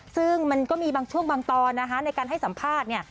ซึ่งมันก็มีช่วงบางตอนในการให้สัมภาษณ์